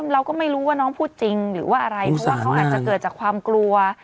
เราก็ไม่รู้ว่าน้องพูดจริงหรือว่าอะไรเพราะว่าเขาอาจจะเกิดจากความกลัว